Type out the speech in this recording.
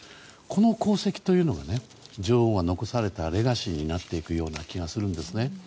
この功績というのは女王が残されたレガシーになっていくような気がするんですね。